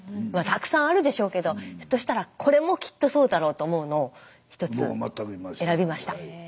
まあたくさんあるでしょうけどひょっとしたらこれもきっとそうだろうと思うのを１つ選びました。